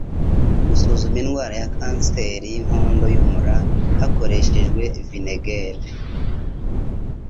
Gusuzuma indwara ya kanseri y'inkondo y'umura hakoreshejwe vinegere